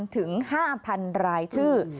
๔๐๐๐ถึง๕๐๐๐รายชื่อ